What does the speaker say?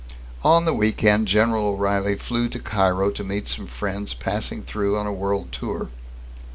On the week end, General O'Reilly flew to Cairo to meet some friends passing through on a world tour.